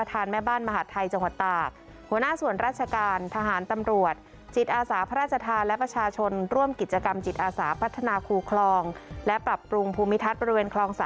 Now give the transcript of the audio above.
โดยมีนางวรรณฤดีกิจเจริญลุ่งโรส